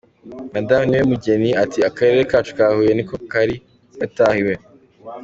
Madamu Niwemugeni ati « Akarere kacu ka Huye ni ko kari gatahiwe».